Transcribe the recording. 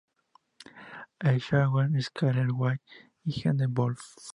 E. Schwab, Skyler White y Gene Wolfe.